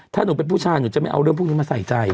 ถ้าหนูเป็นผู้ชายหนูจะไม่เอาเรื่องพวกนี้มาใส่ใจ